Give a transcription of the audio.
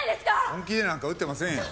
本気でなんか打ってませんよ。